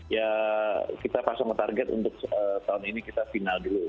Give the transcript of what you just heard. ya kita pasang target untuk tahun ini kita final dulu